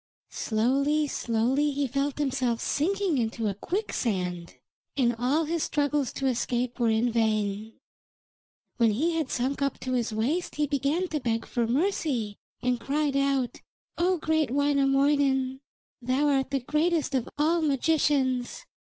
Slowly, slowly he felt himself sinking into a quicksand, and all his struggles to escape were in vain. When he had sunk up to his waist he began to beg for mercy, and cried out: 'O great Wainamoinen, thou art the greatest of all magicians.